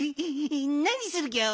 なにするギャオ？